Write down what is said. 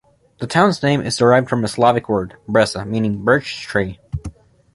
The town's name is derived from a Slavic word, "breza", meaning "birch tree".